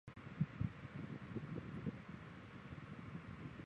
尖吻棘鳞鱼是辐鳍鱼纲金眼鲷目金鳞鱼科棘鳞鱼属的其中一种鱼类。